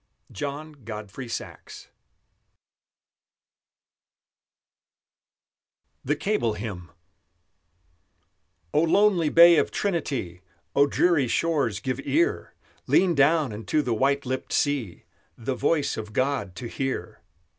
JOHN GODFREY SAXE. THE CABLE HYMN O lonely bay of Trinity, O dreary shores, give ear! Lean down unto the white lipped sea The voice of God to hear!